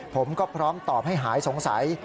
ผมก็พร้อมตอบให้หายสงสัย